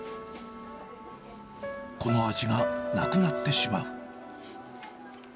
この味がなくなってしまう。